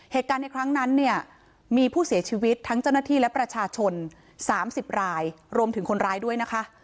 เหตุการณ์ในครั้งนั้นเนี่ยมีผู้เสียชีวิตทั้งเจ้าหน้าที่และประชาชน๓๐รายรวมถึงคนร้ายด้วยนะคะ